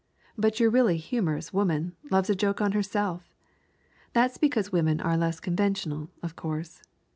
But your really humorous woman loves a joke on herself. That's because women are less conventional, of course.